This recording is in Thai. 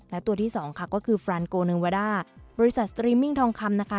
และตัวที่สองค่ะก็คือฟรานโกเนวาด้าบริษัทสตรีมมิ่งทองคำนะคะ